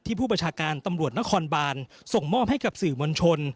ผู้ประชาการตำรวจนครบานส่งมอบให้กับสื่อมวลชน